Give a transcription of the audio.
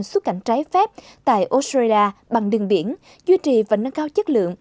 xuất cảnh trái phép tại australia bằng đường biển duy trì và nâng cao chất lượng